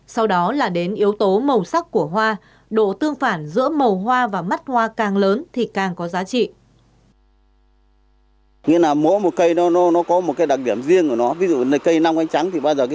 sau đó là đến yếu tố màu sắc của hoa độ tương phản giữa màu hoa và mắt hoa càng lớn thì càng có giá trị